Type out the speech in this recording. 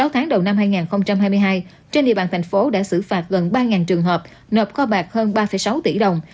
sáu tháng đầu năm hai nghìn hai mươi hai trên địa bàn thành phố đã xử phạt gần ba trường hợp nộp kho bạc hơn ba sáu tỷ đồng